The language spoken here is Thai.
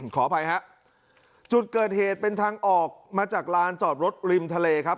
ขออภัยฮะจุดเกิดเหตุเป็นทางออกมาจากลานจอดรถริมทะเลครับ